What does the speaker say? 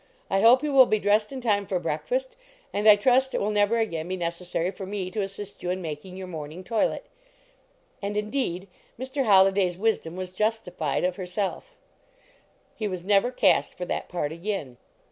I hope you will be dressed in time for breakfast, and I trust it will never again be necessary for me to assist you in making your morning toilet. And, indeed, Mr. Holliday s wisdom was justified of herself; he was never cast for that part again.